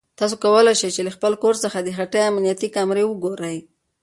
تاسو کولای شئ چې له خپل کور څخه د هټۍ امنیتي کامرې وګورئ.